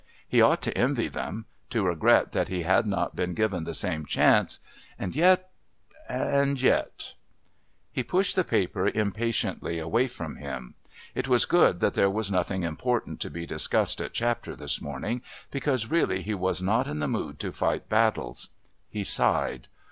He ought to envy them, to regret that he had not been given the same chance, and yet and yet He pushed the paper impatiently away from him. It was good that there was nothing important to be discussed at Chapter this morning, because really he was not in the mood to fight battles. He sighed.